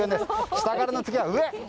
下からの次は上。